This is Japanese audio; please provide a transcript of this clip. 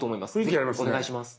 ぜひお願いします。